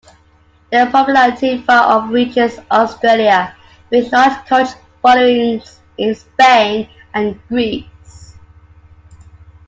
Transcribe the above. Their popularity far outreaches Australia, with large cult followings in Spain and Greece.